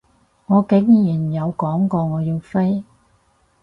我竟然有講過我要飛？